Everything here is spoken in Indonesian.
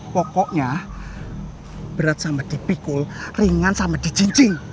pokoknya berat sama dipikul ringan sama dijinjing